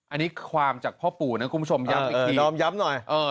อันนี้ความจากพ่อปู่นะคุณผู้ชมย้ำอีกที